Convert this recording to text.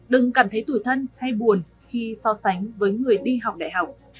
đừng cảm thấy tủi thân hay buồn khi so sánh với người đi học đại học